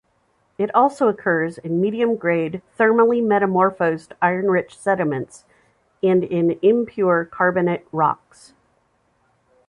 It also occurs in medium-grade thermally metamorphosed iron-rich sediments and in impure carbonate rocks.